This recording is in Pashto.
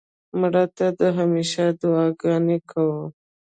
مړه ته د همېشه دعا ګانې کوو